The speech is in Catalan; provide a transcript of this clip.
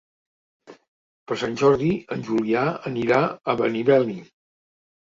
Per Sant Jordi en Julià anirà a Benimeli.